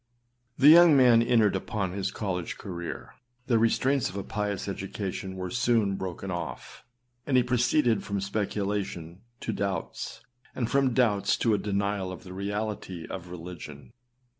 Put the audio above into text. The young man entered upon his college career. The restraints of a pious education were son broken off, and he proceeded from speculation to doubts, and from doubts to a denial of the reality of religion.